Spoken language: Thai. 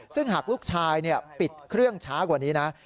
ซึ่งหากลูกชายปิดเครื่องช้ากว่านี้นะ